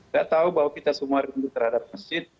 tidak tahu bahwa kita semua rindu terhadap masjid